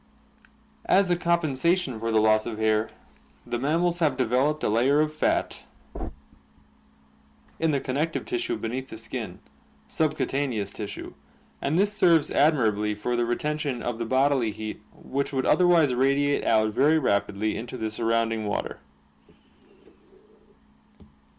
As a compensation for the loss of hair, the mammals have de veloped a layer of fai in the connective tissue beneath the skin (subcutaneous tissue) and this serves admirably for the retention of the bodily heat which would otherwise radiate out very rapidly into the surrounding water.